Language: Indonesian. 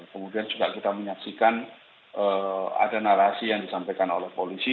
kemudian juga kita menyaksikan ada narasi yang disampaikan oleh polisi